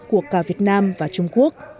của cả việt nam và trung quốc